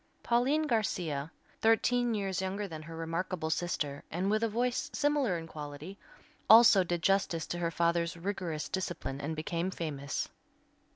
Pauline Garcia, thirteen years younger than her remarkable sister, and with a voice similar in quality, also did justice to her father's rigorous discipline and became famous.